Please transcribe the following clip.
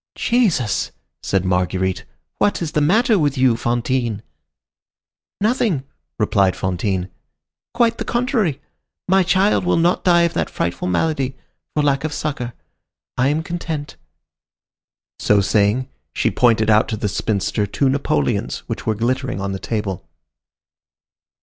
"Jesus!" said Marguerite, "what is the matter with you, Fantine?" "Nothing," replied Fantine. "Quite the contrary. My child will not die of that frightful malady, for lack of succor. I am content." So saying, she pointed out to the spinster two napoleons which were glittering on the table.